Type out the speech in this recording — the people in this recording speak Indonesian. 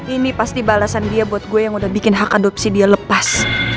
ini pasti balasan dia buat gue yang udah bikin hak adopsi dia lepas